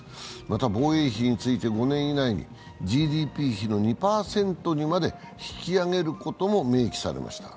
また防衛費について５年以内にＧＤＰ比の２％にまで引き上げることも明記されました。